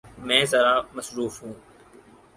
میں ذرا مصروف ہوں۔